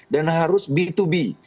dan harus b dua b